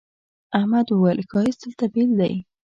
احمد وويل: ښایست دلته بېل دی.